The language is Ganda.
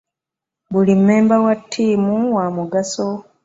Buli member wa tiimu wa mugaso.